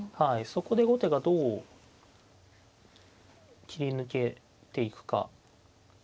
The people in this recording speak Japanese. そこで後手がどう切り抜けていくか。